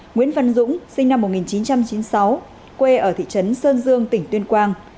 nguyễn văn dũng sinh năm một nghìn chín trăm chín mươi sáu quê ở thị trấn sơn dương tỉnh tuyên quang